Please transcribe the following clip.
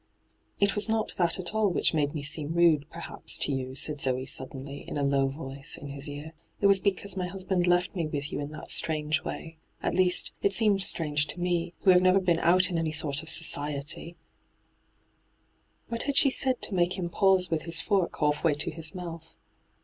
' It was not that at all which made me seem rude, perhaps, to you,' said Zoe suddenly, in a low voice, in his ear. 'It was because my husband left me with you in that strange way. At least, it seemed strange to me, who have never been out in any sort of society I' What had she said to make him pause with his fork half way to his mouth